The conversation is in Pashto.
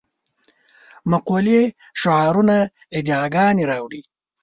مقولې شعارونه ادعاګانې راوړې.